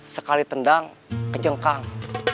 sekali tendang kecengkang